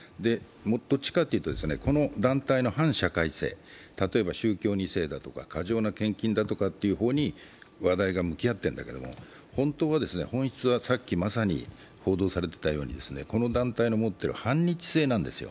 どちらかというとこの団体の反社会性、例えば宗教２世とか過剰な献金だとかというふうに話題が向き合っているんだけれど本当は本質は、この団体の持っている反日性なんですよ。